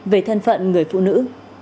về thân phận người phụ nữ